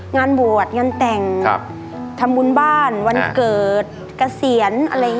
งานบวชงานแต่งทำวุลบ้านวันเกิดกระเศียร